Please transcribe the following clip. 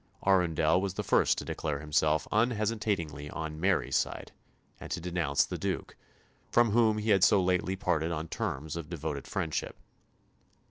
Arundel was the first to declare himself unhesitatingly on Mary's side, and to denounce the Duke, from whom he had so lately parted on terms of devoted friendship.